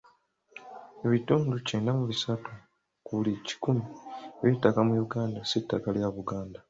Ebitundu kyenda mu bisatu ku buli kikumi eby'ettaka mu Uganda si ttaka lya Buganda.